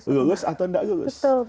lulus atau tidak lulus